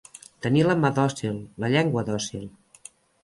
Tenir la mà dòcil, la llengua dòcil.